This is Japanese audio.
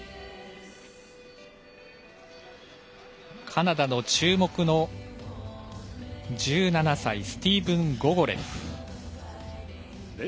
カナダの注目の１７歳スティーブン・ゴゴレフ。